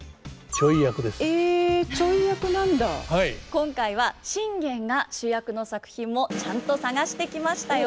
今回は信玄が主役の作品もちゃんと探してきましたよ。